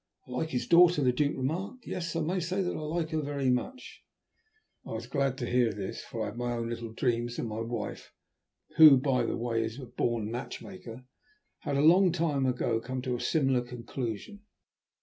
"I like his daughter," the Duke remarked. "Yes, I must say that I like her very much." I was glad to hear this, for I had my own little dreams, and my wife, who, by the way, is a born matchmaker, had long ago come to a similar conclusion.